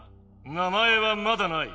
名前はまだない。